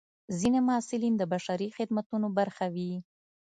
ځینې محصلین د بشري خدمتونو برخه وي.